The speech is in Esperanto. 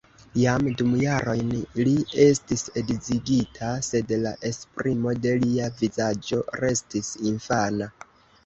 Jam du jarojn li estis edzigita, sed la esprimo de lia vizaĝo restis infana.